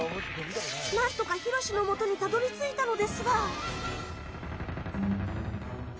何とか、ひろしのもとにたどり着いたのですが。